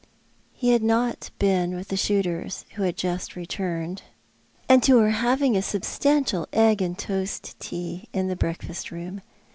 He had not been with the shooters, who had just returned, and who were having a substantial egg and toast tea in the breakfast room.